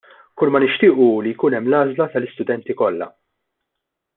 Kulma nixtiequ hu li jkun hemm l-għażla tal-istudenti kollha.